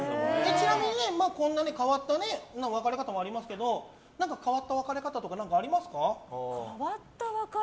ちなみに、こんな変わった別れ方がありますけども変わった別れ方とかありますか？